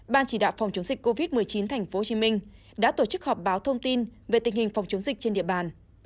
ban chỉ đạo phòng chống dịch covid một mươi chín tp hcm đã tổ chức họp báo thông tin về tình hình phòng chống dịch trên địa bàn